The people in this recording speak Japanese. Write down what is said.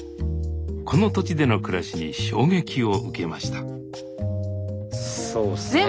この土地での暮らしに衝撃を受けましたそうっすね。